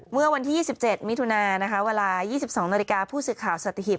เมื่อวันที่๒๗มิถุนาวลา๒๒นผู้สื่อข่าวสติหีพ